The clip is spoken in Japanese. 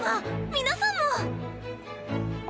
皆さんも！